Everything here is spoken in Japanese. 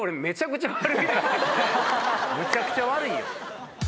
むちゃくちゃ悪いんよ。